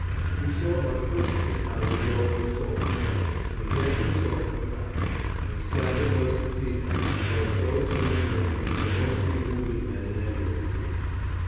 We saw our 1st battalion go and assault the place; and then we saw it come back, and sad it was to see them, because those who returned were mostly wounded men in ambulances.